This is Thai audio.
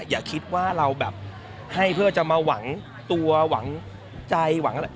อย่าคิดว่าเราแบบให้เพื่อจะมาหวังตัวหวังใจหวังอะไร